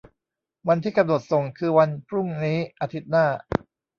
วันที่กำหนดส่งคือวันพรุ่งนี้อาทิตย์หน้า